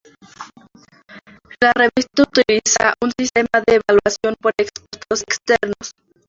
La revista utiliza un sistema de evaluación por expertos externos.